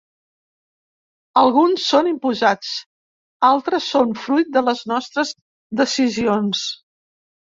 Alguns són imposats, altres són fruit de les nostres decisions.